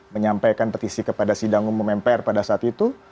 menyampaikan petisi kepada sidang umum mpr pada saat itu